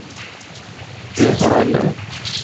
اے حال اے۔